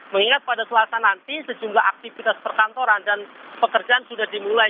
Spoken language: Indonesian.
mengingat pada selasa nanti sejumlah aktivitas perkantoran dan pekerjaan sudah dimulai